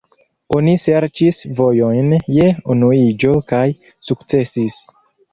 Oni serĉis vojojn je unuiĝo kaj sukcesis.